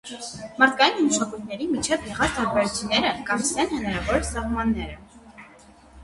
Մարդկային մշակույթների միջև եղած տարբերությունները կանցնեն հնարավոր սահմանները։